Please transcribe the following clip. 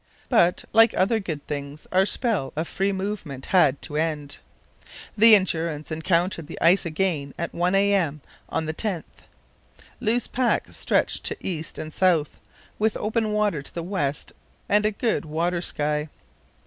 But, like other good things, our spell of free movement had to end. The Endurance encountered the ice again at 1 a.m. on the 10th. Loose pack stretched to east and south, with open water to the west and a good watersky.